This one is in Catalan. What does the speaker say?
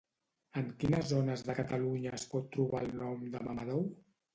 En quines zones de Catalunya es pot trobar el nom de Mamadou?